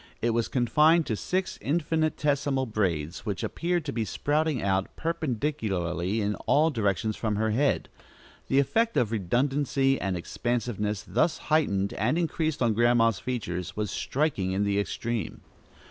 It was confined in six infinitesimal braids which appeared to be sprouting out, perpendicularly, in all directions from her head. The effect of redundancy and expansiveness thus heightened and increased on Grandma's features was striking in the extreme.